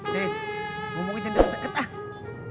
des ngomongin dengan deket deket ah